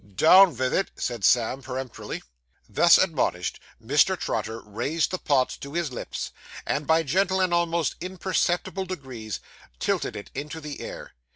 'Down vith it!' said Sam peremptorily. Thus admonished, Mr. Trotter raised the pot to his lips, and, by gentle and almost imperceptible degrees, tilted it into the air.